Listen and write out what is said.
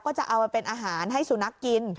จะเอามาเป็นอาหารให้สุนัขกิน